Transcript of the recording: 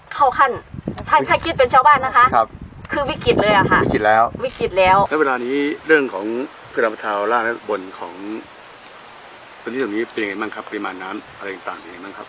คือลำประทาวร่างและบนของพื้นที่ตรงนี้เป็นยังไงบ้างครับปริมาณน้ำอะไรต่างเป็นยังไงบ้างครับเจ้าร้ายฟัง